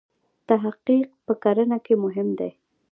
تحقیق په کرنه کې مهم دی.